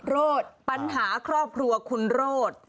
โรธปัญหาครอบครัวคุณโรธ